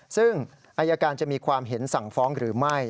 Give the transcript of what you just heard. ซึ่งอายการจะมีความเห็นสั่งฟ้องหรือไม่